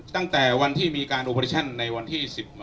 ตั้งแต่วันที่มีการโอปอดิชั่นในวันที่๑๑